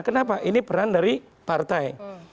kenapa ini peran dari partai